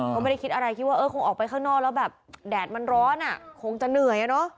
ก็ไม่ได้คิดอะไรคิดว่าเออคงออกไปข้างนอกแล้วแบบแดดมันร้อนอ่ะคงจะเหนื่อย